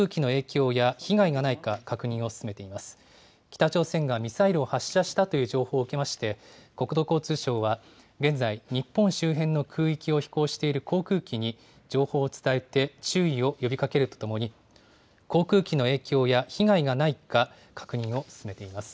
北朝鮮がミサイルを発射したという情報を受けまして、国土交通省は現在、日本周辺の空域を飛行している航空機に情報を伝えて、注意を呼びかけるとともに、航空機の影響や被害がないか、確認を進めています。